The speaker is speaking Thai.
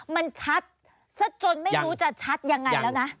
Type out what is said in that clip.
มันชัดซะจนไม่รู้จะชัดยังไงแล้วนะ